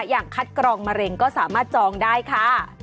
อย่างคัดกรองมะเร็งก็สามารถจองได้ค่ะ